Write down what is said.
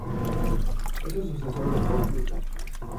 Es el sucesor de Outlook Express.